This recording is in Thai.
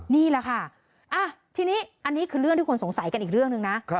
นี่แหละค่ะทีนี้อันนี้คือเรื่องที่คนสงสัยกันอีกเรื่องหนึ่งนะ